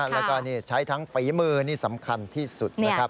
แล้วก็ใช้ทั้งฝีมือนี่สำคัญที่สุดนะครับ